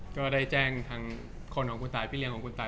ก็ได้แจ้งทางคนของคุณตายพี่เลี้ยของคุณตาย